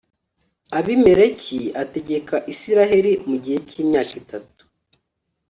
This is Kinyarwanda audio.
abimeleki ategeka israheli mu gihe cy'imyaka itatu